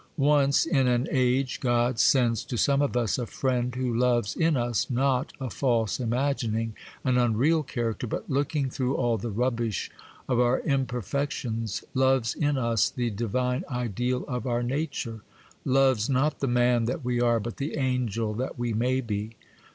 Once, in an age, God sends to some of us a friend who loves in us, not a false imagining, an unreal character, but, looking through all the rubbish of our imperfections, loves in us the divine ideal of our nature,—loves, not the man that we are, but the angel that we may be.